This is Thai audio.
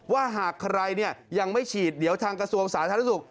ว่าหากใครยังไม่ฉีดเดี๋ยวทางกระทรวงสาธารณสุข